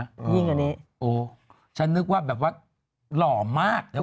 ยิ่งกว่านี้โอ้ฉันนึกว่าแบบว่าหล่อมากนะ